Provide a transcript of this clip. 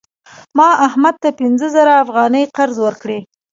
ما احمد ته پنځه زره افغانۍ قرض ورکړې.